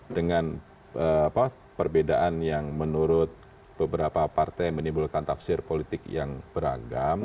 dengan perbedaan yang menurut beberapa partai menimbulkan tafsir politik yang beragam